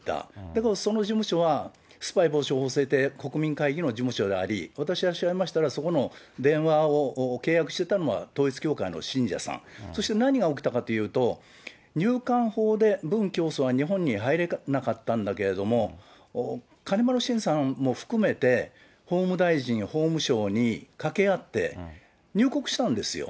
だけどその事務所は、スパイ防止法制定国民会議の事務所であり、私が調べましたら、そこの電話を契約してたのは統一教会の信者さん、そして何が起きたかというと、入管法で文教祖が日本に入れなかったんだけれども、金丸信さんも含めて法務大臣、法務省に掛け合って、入国したんですよ。